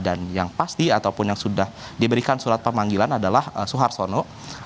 dan yang pasti ataupun yang sudah diberikan surat panggilan adalah suharsono